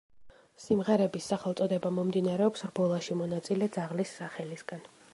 სიმღერების სახელწოდება მომდინარეობს რბოლაში მონაწილე ძაღლის სახელისგან.